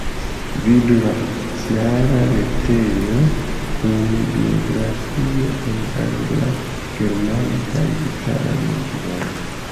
Vidu la oficiala retejo kun biografio en angla, germana kaj itala lingvoj.